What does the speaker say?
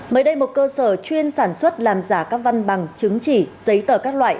mới đây một cơ sở chuyên sản xuất làm giả các văn bằng chứng chỉ giấy tờ các loại